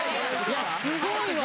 すごいわ。